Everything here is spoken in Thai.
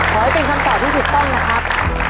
ขอให้เป็นคำตอบที่ถูกต้องนะครับ